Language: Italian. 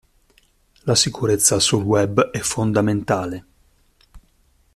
La sicurezza sul Web è fondamentale.